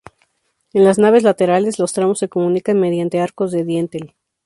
En las naves laterales los tramos se comunican mediante arcos de dintel.